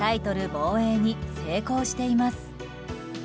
防衛に成功しています。